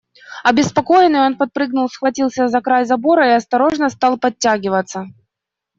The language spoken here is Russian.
Обеспокоенный, он подпрыгнул, схватился за край забора и осторожно стал подтягиваться.